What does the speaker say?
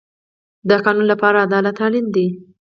د قانون لپاره عدالت اړین دی